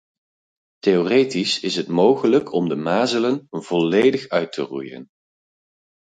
Theoretisch is het mogelijk om de mazelen volledig uit te roeien.